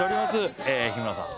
日村さん